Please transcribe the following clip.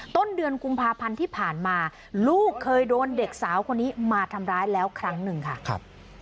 ต้นเดือนกุมภาพันธ์ที่ผ่านมาลูกเคยโดนเด็กสาวคนนี้มาทำร้ายแล้วครั้งหนึ่งค่ะครับ